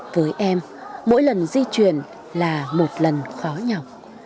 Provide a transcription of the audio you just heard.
với em mỗi lần di chuyển là một lần khó nhỏ